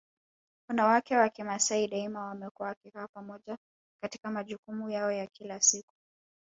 Wanawake wa Kimasai daima wamekuwa wakikaa pamoja katika majukumu yao ya kila siku